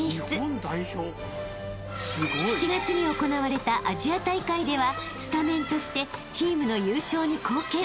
［７月に行われたアジア大会ではスタメンとしてチームの優勝に貢献］